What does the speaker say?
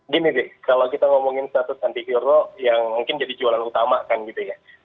gini deh kalau kita ngomongin status anti hero yang mungkin jadi jualan utama kan gitu ya